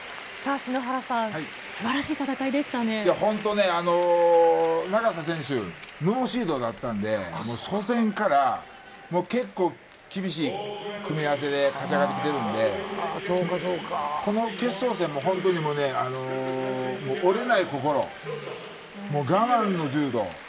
篠原さん、本当ね、永瀬選手、ノーシードだったんで、もう初戦から結構、厳しい組み合わせで勝ち上がってきてるんで、この決勝戦も本当にもうね、折れない心、我慢の柔道。